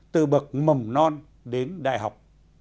từ bậc mầm non đến đại học